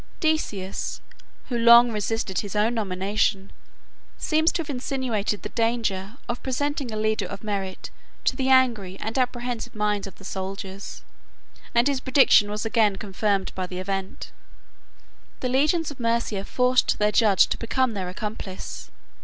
Decius, 2 who long resisted his own nomination, seems to have insinuated the danger of presenting a leader of merit to the angry and apprehensive minds of the soldiers; and his prediction was again confirmed by the event. The legions of Mæsia forced their judge to become their accomplice.